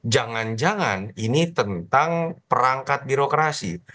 jangan jangan ini tentang perangkat birokrasi